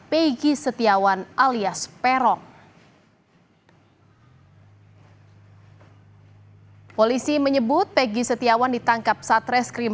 peggy setiawan alias perong hai hai hai polisi menyebut peggy setiawan ditangkap satres krim